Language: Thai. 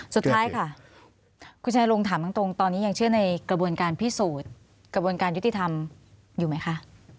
สุดท้ายค่ะคุณชายลงถามตรงตอนนี้ยังเชื่อในกระบวนการพิสูจน์กระบวนการยุติธรรมอยู่ไหมคะ